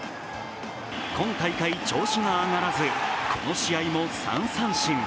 今大会、調子が上がらずこの試合も３三振。